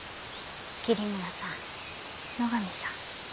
桐村さん野上さん